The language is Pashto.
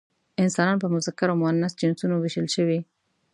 انسانان په مذکر او مؤنث جنسونو ویشل شوي.